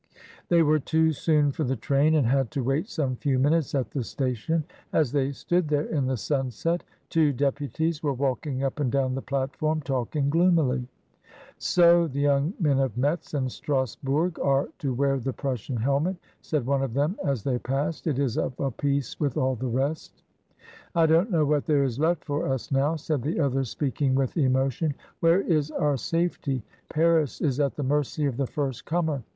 They were too soon for the train, and had to wait some few minutes at the station; as they stood there in the sunset, two deputies were walking up and down the platform talking gloomily. "So! the young men of Metz and Strasbourg are to wear the Prussian helmet," said one of them as they passed; "it is of a piece with all the rest." "I don't know what there is left for us now," said the other, speaking with emotion. "Where is our safety? Paris is at the mercy of the first comer.